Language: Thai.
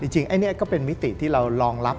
จริงอันนี้ก็เป็นมิติที่เรารองรับ